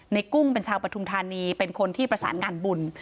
กุ้งเป็นชาวปฐุมธานีเป็นคนที่ประสานงานบุญ